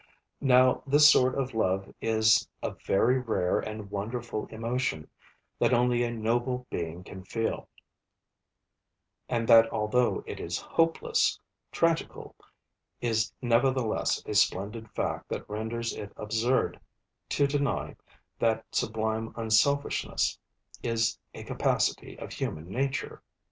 Now this sort of love is a _very rare and wonderful emotion, that only a noble being can feel; and that although it is hopeless, tragical, is nevertheless a splendid fact, that renders it absurd to deny that sublime unselfishness is a capacity of human nature_.